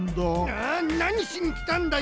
ああなにしにきたんだよ！